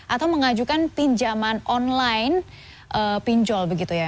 atau mengajukan pinjaman online pinjol begitu ya